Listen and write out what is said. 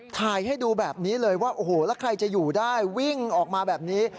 ถ่ายให้ดูแบบนี้เลยว่าโอ้โหแล้วใครจะอยู่ได้วิ่งออกมาแบบนี้